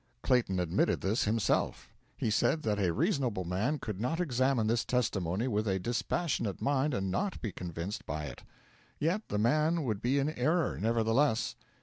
Clayton admitted this himself. He said that a reasonable man could not examine this testimony with a dispassionate mind and not be convinced by it; yet the man would be in error, nevertheless.